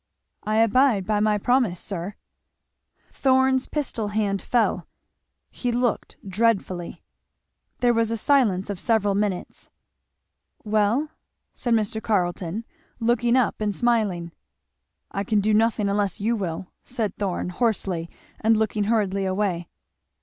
"I abide by my promise, sir." Thorn's pistol hand fell; he looked dreadfully. There was a silence of several minutes. "Well?" said Mr. Carleton looking up and smiling. "I can do nothing unless you will," said Thorn hoarsely, and looking hurriedly away.